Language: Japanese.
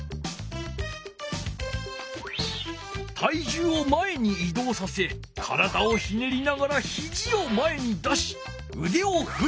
体じゅうを前にいどうさせ体をひねりながらひじを前に出しうでをふる。